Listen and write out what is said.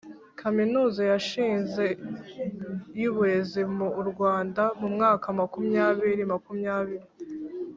kaminuza yashinze y’uburezi mu uRwanda mumwaka makumyabiri makumyabiri